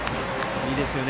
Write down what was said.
いいですよね。